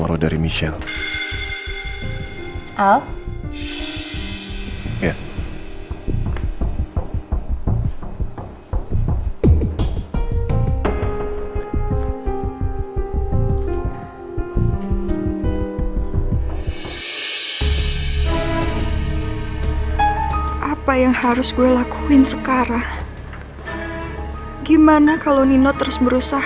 ya emang kalo udah soal perempuan